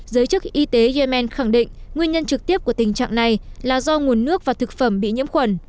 giới chức y tế yemen khẳng định nguyên nhân trực tiếp của tình trạng này là do nguồn nước và thực phẩm bị nhiễm khuẩn